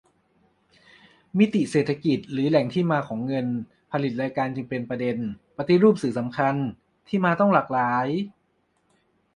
มิติเศรษฐกิจหรือแหล่งที่มาของเงินผลิตรายการจึงเป็นประเด็น ปฏิรูปสื่อ สำคัญ ที่มาต้องหลากหลาย